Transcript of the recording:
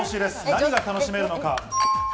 何が楽しめるのか？